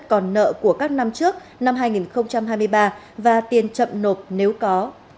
trường hợp người thuê đất đang được giảm tiền thuê đất trên số tiền thuê đất còn nợ của các năm trước năm hai nghìn hai mươi ba và tiền chậm nộp nếu có